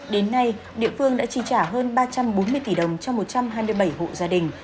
đến nay địa phương đã trì trả hơn ba trăm bốn mươi tỷ đồng cho một trăm hai mươi bảy hộ gia đình